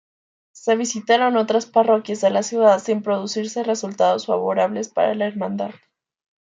Se visitaron otras parroquias de la ciudad, sin producirse resultados favorables para la hermandad.